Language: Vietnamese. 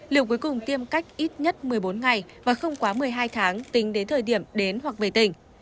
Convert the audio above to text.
liệu cuối cùng tiêm cách ít nhất một mươi bốn ngày và không quá một mươi hai tháng tính đến thời điểm đến hoặc về tỉnh